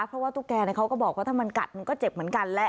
เพราะว่าตุ๊กแกเขาก็บอกว่าถ้ามันกัดมันก็เจ็บเหมือนกันแหละ